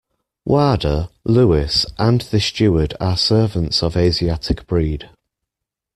Wada, Louis, and the steward are servants of Asiatic breed.